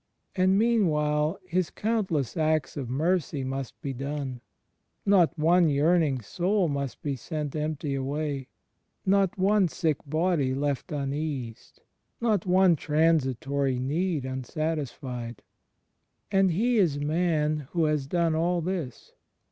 And meanwhile His coimtless acts of mercy must be done; not one yearning soul must be sent empty away; not one sick body left uneased; not one transitory need, imsatisfied. And He is Man who has done all this.